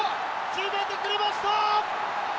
決めてくれました！